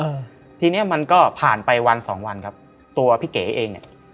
อืมทีเนี้ยมันก็ผ่านไปวันสองวันครับตัวพี่เก๋เองเนี้ย